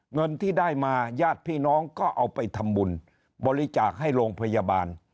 เงินที่ได้มาญาติพี่น้องก็เอาไปทำบุญบริจาคให้โรงพยาบาล